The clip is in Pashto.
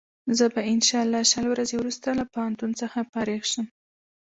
زه به انشا الله شل ورځې وروسته له پوهنتون څخه فارغ شم.